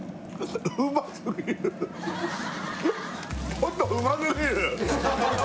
ちょっとうますぎる！